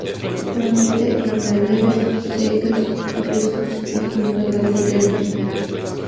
Habita en praderas secas, riscos y junto a carreteras.